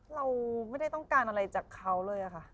เราไม่ได้ต้องการอะไรจากเขาเลยค่ะ